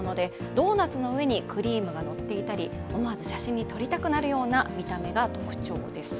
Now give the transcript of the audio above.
ドーナツの上にクリームがのっていたり思わず写真に撮りたくなるような見た目が特徴です。